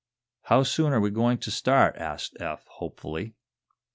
"How soon are we going to start?" asked Eph, hopefully.